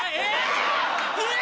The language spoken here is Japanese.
うわ！